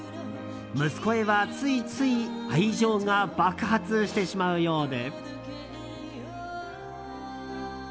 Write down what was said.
息子へは、ついつい愛情が爆発してしまうようで。